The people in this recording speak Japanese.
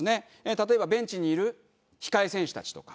例えばベンチにいる控え選手たちとか。